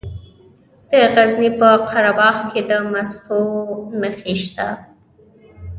د غزني په قره باغ کې د مسو نښې شته.